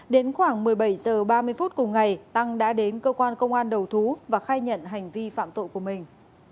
đến khoảng một mươi bảy h ba mươi phút cùng ngày tăng đã đến cơ quan công an đầu thú và khai nhận hành vi phạm tội của mình